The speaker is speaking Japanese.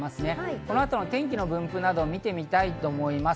この後の天気の分布を見てみたいと思います。